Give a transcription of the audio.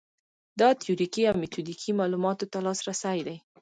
دا تیوریکي او میتودیکي معلوماتو ته لاسرسی دی.